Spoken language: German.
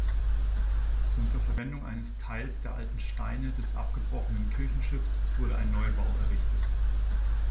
Unter Verwendung eines Teils der alten Steine des abgebrochenen Kirchenschiffs wurde ein Neubau errichtet.